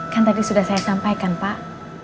kan tadi sudah saya sampaikan pak